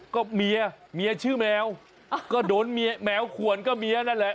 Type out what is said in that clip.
ก็เมียเมียชื่อแมวก็โดนเมียแมวขวนก็เมียนั่นแหละ